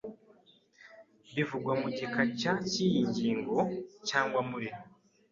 bivugwa mu gika cya cy iyi ngingo cyangwa muri